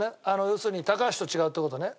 要するに高橋と違うって事ね。